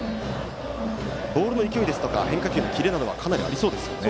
ボールの勢いや変化球のキレはかなりありそうですね。